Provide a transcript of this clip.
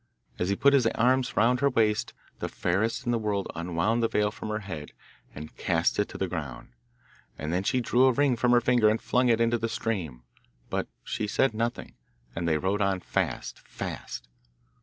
As he put his arms round her waist, the fairest in the world unwound the veil from her head and cast it to the ground, and then she drew a ring from her finger and flung it into the stream. But she said nothing, and they rode on fast, fast.